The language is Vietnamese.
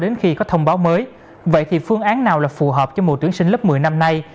đến khi có thông báo mới vậy thì phương án nào là phù hợp cho mùa tuyển sinh lớp một mươi năm nay